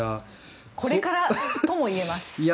これからともいえます。